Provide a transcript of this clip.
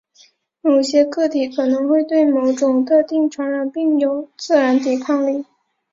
某些个体可能会对某种特定传染病有自然抵抗力。